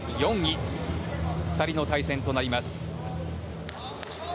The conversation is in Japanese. この２人の対戦となります。